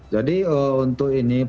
jadi untuk ini